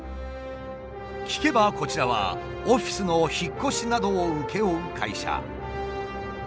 聞けばこちらはオフィスの引っ越しなどを請け負う会社。